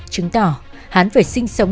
chứng tỏ hắn phải sinh sống